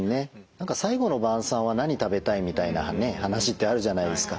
何か「最期の晩さんは何食べたい？」みたいな話ってあるじゃないですか。